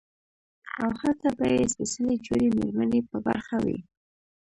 او هلته به ئې سپېڅلې جوړې ميرمنې په برخه وي